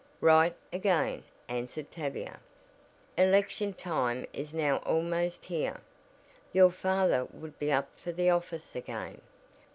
"Right, again," answered Tavia. "Election time is now almost here. Your father would be up for the office again.